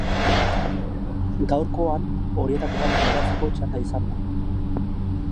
Gaurkoan, horietako bat kaleratzeko txanda izan da.